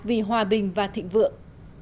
vì hòa bình và thịnh vượng